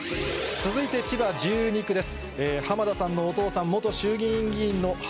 続いて千葉１２区です。